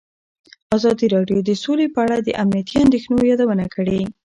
ازادي راډیو د سوله په اړه د امنیتي اندېښنو یادونه کړې.